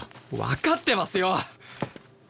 わかってますよ！